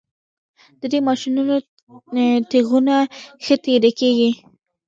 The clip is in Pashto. د دې ماشینونو تیغونه ښه تیره کیږي